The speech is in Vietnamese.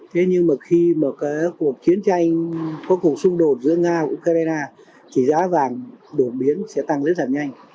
thế nhưng mà khi một cuộc chiến tranh một cuộc xung đột giữa nga và ukraine thì giá vàng đột biến sẽ tăng rất là nhanh